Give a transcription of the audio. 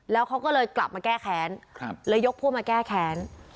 แล้วเขาก็เลยกลับมาแก้แค้นเลยยกพวกมาแก้แค้น